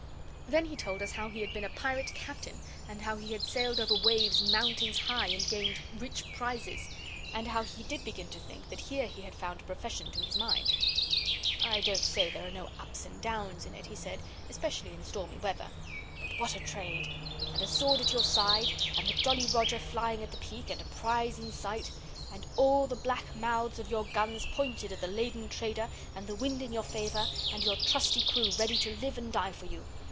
Then he told us how he had been a pirate captain and how he had sailed over waves mountains high, and gained rich prizes and how he did begin to think that here he had found a profession to his mind. 'I don't say there are no ups and downs in it,' he said, 'especially in stormy weather. But what a trade! And a sword at your side, and the Jolly Roger flying at the peak, and a prize in sight. And all the black mouths of your guns pointed at the laden trader and the wind in your favour, and your trusty crew ready to live and die for you!